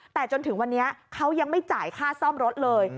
แต่จนถึงวันนี้เขายังไม่จ่ายค่าซ่อมรถเลย